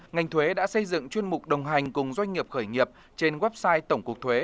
ngành thuế đã xây dựng chuyên mục đồng hành cùng doanh nghiệp khởi nghiệp trên website tổng cục thuế